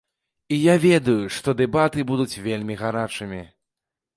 І я ведаю, што дэбаты будуць вельмі гарачымі.